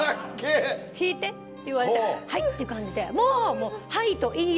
「弾いて」って言われて「はい」っていう感じでもう。